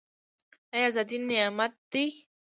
آیا ازادي نعمت دی؟